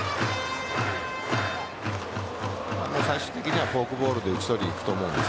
最終的にはフォークボールで打ち取りに行くと思うんです